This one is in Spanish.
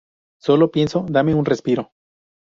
Sólo pienso: "Dame un respiro.